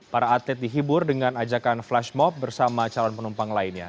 para atlet dihibur dengan ajakan flash mob bersama calon penumpang lainnya